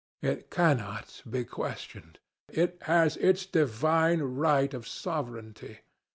It cannot be questioned. It has its divine right of sovereignty.